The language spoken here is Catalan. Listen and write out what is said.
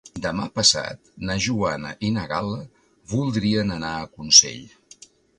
Demà passat na Joana i na Gal·la voldrien anar a Consell.